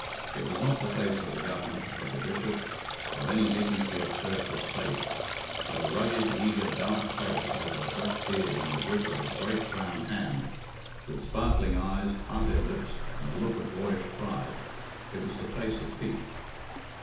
It was not the face of the Governor, of the Bishop, of any dignitary of Church or State but a rugged, eager, dark face over a black beard in the grip of a great brown hand, with sparkling eyes, parted lips, and a look of boyish pride it was the face of Pete.